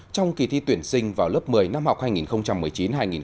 trong kỳ thi tuyển sinh vào lớp một mươi năm học hai nghìn một mươi chín hai nghìn hai mươi